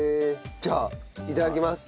じゃあいただきます。